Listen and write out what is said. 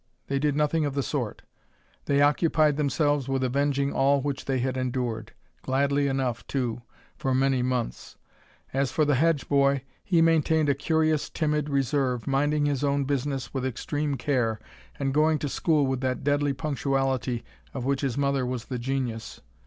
They did nothing of the sort. They occupied themselves with avenging all which they had endured gladly enough, too for many months. As for the Hedge boy, he maintained a curious timid reserve, minding his own business with extreme care, and going to school with that deadly punctuality of which his mother was the genius.